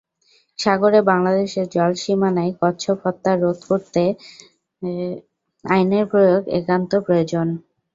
সাগরে বাংলাদেশের জলসীমানায় কচ্ছপ হত্যা রোধ করতে আইনের প্রয়োগ একান্ত প্রয়োজন।